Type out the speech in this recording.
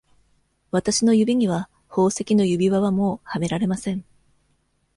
私の指には、宝石の指輪は、もうはめられません。